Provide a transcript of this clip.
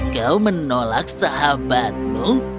kau menolak sahabatmu